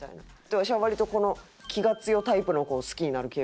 わしは割とこの気が強いタイプの子を好きになる傾向にあるんやけど。